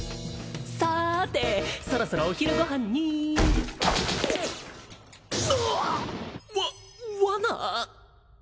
さてそろそろお昼ご飯にうわっわ罠！？